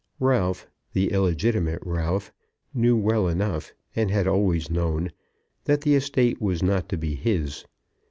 Ralph, the illegitimate Ralph, knew well enough and had always known, that the estate was not to be his.